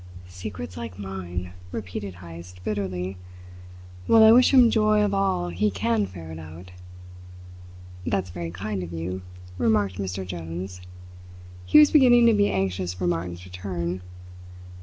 "Secrets like mine!" repeated Heyst bitterly. "Well I wish him joy of all he can ferret out!" "That's very kind of you," remarked Mr. Jones. He was beginning to be anxious for Martin's return.